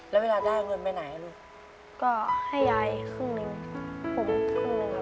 แล้วเวลาได้เงินไปไหนลูก